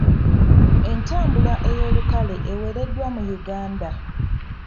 Entambula ey’olukale ewereddwa mu Uganda.